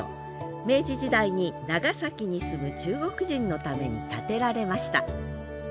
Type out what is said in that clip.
明治時代に長崎に住む中国人のために建てられました。